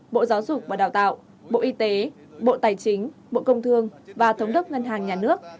bộ giáo dục và đào tạo bộ y tế bộ tài chính bộ công thương và thống đốc ngân hàng nhà nước